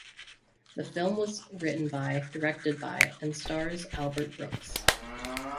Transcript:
The film was written by, directed by, and stars Albert Brooks.